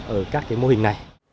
ở các khuôn viên